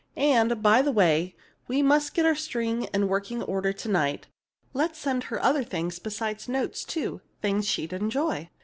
And, by the way, we must get our string in working order to morrow. Let's send her other things beside notes, too things she'd enjoy."